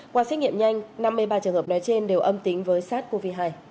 qua xét nghiệm nhanh năm mươi ba trường hợp nói trên đều âm tính với sars cov hai